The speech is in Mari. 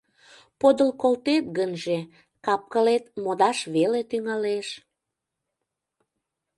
Подыл колтет гынже, кап-кылет модаш веле тӱҥалеш...